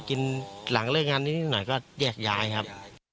กินหลังเลิกงานนิดหน่อยก็แยกย้ายครับ